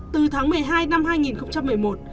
từ tháng một mươi hai năm hai nghìn một mươi một